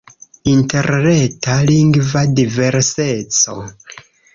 Interreta lingva diverseco.